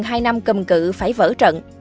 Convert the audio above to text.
hai năm cầm cử phải vỡ trận